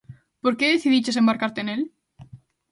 Por que decidiches embarcarte nel?